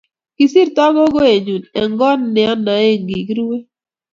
kisirto kukoe nyu Eng' koot naenae kikiruue